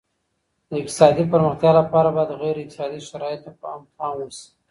د اقتصادي پرمختيا لپاره بايد غیر اقتصادي شرايطو ته هم پام وسي.